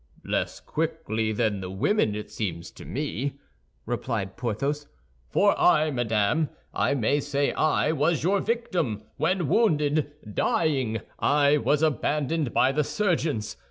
"Less quickly than the women, it seems to me," replied Porthos; "for I, madame, I may say I was your victim, when wounded, dying, I was abandoned by the surgeons.